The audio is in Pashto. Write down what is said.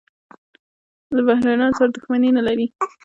له بهرنیانو سره دښمني نه لري.